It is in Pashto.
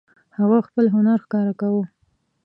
هغه خپل هنر ښکاره کاوه.